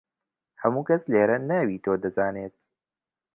هەموو کەس لێرە ناوی تۆ دەزانێت.